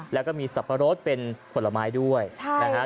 แล้วก็มีสับปะรดเป็นผลไม้ด้วยนะฮะ